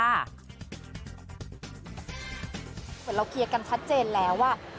เหมือนเราเคลียร์กันชัดเจนแล้วว่า